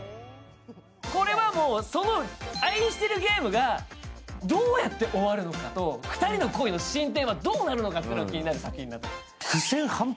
これはもうその「愛してるゲーム」がどう終わるのか２人の恋の進展がどうなるのかが気になる作品なんです。